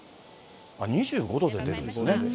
２５度で出てるんですね。